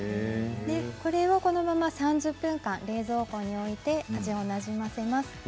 これをこのまま３０分間冷蔵庫に置いて味をなじませます。